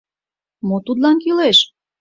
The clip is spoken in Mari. Мо тудлан кӱлеш?